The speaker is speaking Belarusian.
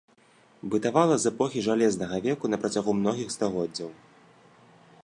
Бытавала з эпохі жалезнага веку на працягу многіх стагоддзяў.